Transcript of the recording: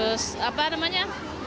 terus apa namanya